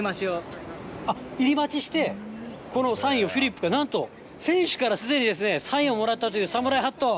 入り待ちをして、このサインをフィリップスから、なんと選手からすでにですね、サインをもらったというサムライハット。